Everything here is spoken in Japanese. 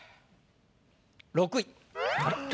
６位。